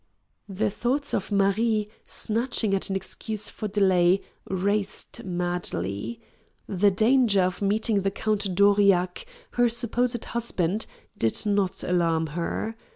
The thoughts of Marie, snatching at an excuse for delay, raced madly. The danger of meeting the Count d'Aurillac, her supposed husband, did not alarm her.